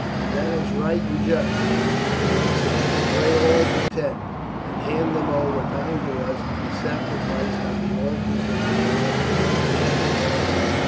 "That is right and just," the Druid said. "Slay all but ten, and hand them over bound to us to be sacrificed on the altars of the gods they have insulted."